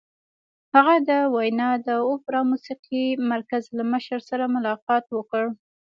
هغې د ویانا د اوپرا موسیقۍ مرکز له مشر سره ملاقات وکړ